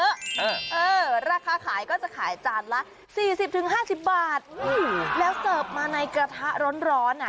เออเออราคาขายก็จะขายจานละสี่สิบถึงห้าสิบบาทแล้วเสิร์ฟมาในกระทะร้อนร้อนอ่ะ